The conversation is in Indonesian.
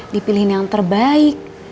dipilihin yang terbaik